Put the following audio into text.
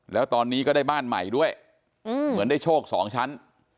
แล้วตอนนี้ก็ได้บ้านใหม่ด้วยเหมือนได้โชคสองชั้น